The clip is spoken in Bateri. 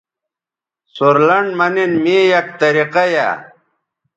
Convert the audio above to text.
سورلنڈ مہ نِن می یک طریقہ یائ